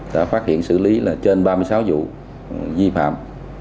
đã phát hiện xử lý là trên ba mươi sáu vụ vi phạm